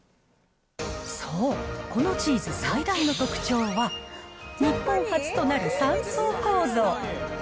そう、このチーズ最大の特徴は、日本初となる３層構造。